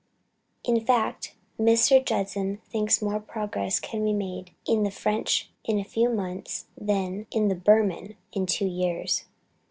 In fact Mr. Judson thinks more progress can be made in the French in a few months, than in the Burman in two years.